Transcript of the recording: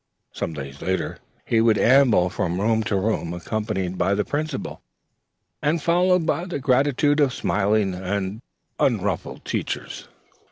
Some days later he would amble from room to room, accompanied by the amiable Principal, and followed by the gratitude of smiling and unruffled teachers.